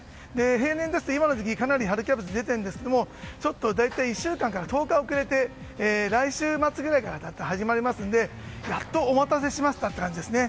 平年ですと今の時期かなり春キャベツ出ているんですけどちょっと１週間から１０日遅れて来週末くらいに始まりますのでお待たせしましたという感じですね。